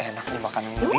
eh enak nih makan ini bi